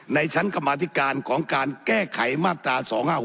ในชั้นกรรมาธิการของการแก้ไขมาตรา๒๕๖๖